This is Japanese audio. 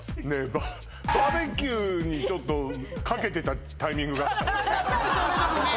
ババーベキューにちょっとかけてたタイミングがあったのね？